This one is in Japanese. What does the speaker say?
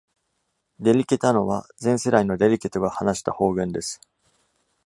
Delicetano は、前世代の Deliceto が話した方言です。